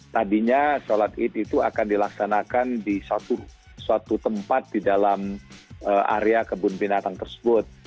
tadinya sholat id itu akan dilaksanakan di suatu tempat di dalam area kebun binatang tersebut